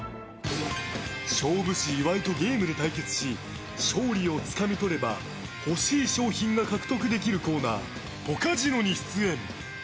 勝負師・岩井とゲームで対決し勝利をつかみ取れば欲しい商品が獲得できるコーナーポカジノに出演。